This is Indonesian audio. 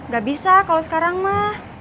gak bisa kalau sekarang mah